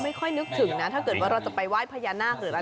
ไม่ค่อยนึกถึงนะถ้าเกิดว่าเราจะไปว่ายพญานาคเตอร์